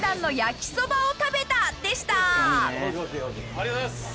ありがとうございます！